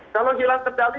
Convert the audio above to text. kalau hilang kendali